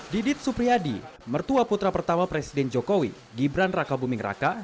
didit supriyadi mertua putra pertama presiden jokowi gibran raka buming raka